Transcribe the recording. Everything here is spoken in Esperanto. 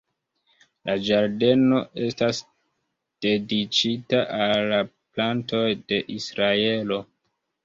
La ĝardeno estas dediĉita al la plantoj de Israelo.